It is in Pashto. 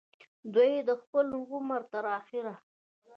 دوي د خپل عمر تر اخره